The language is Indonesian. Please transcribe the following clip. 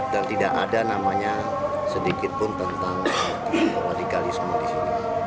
dan tidak ada namanya sedikit pun tentang radikalisme di sini